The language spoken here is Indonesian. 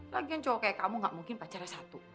lagian cuma kayak kamu gak mungkin pacarnya satu